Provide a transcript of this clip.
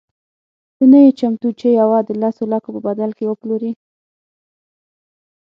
ته نه یې چمتو چې یوه د لسو لکو په بدل کې وپلورې.